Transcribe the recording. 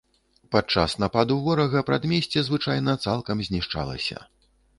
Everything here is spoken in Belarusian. Падчас нападу ворага прадмесце, звычайна, цалкам знішчалася.